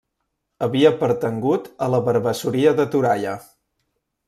Havia pertangut a la Varvassoria de Toralla.